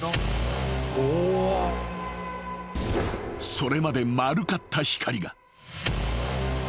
［それまで丸かった光が］